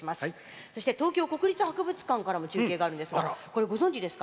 そして、東京国立博物館からも中継があるんですがご存じですか？